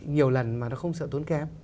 nhiều lần mà nó không sợ tốn kém